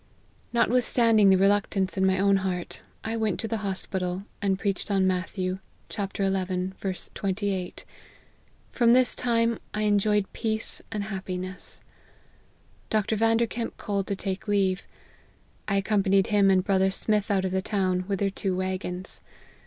Not withstanding the reluctance in my own heart, I went to the hospital, and preached on Matt. xi. 28 ; from this time I enjoyed peace and happiness. Dr. Vanderkemp called to take leave. I accom panied him and brother Smith out of the town, with their two wagons.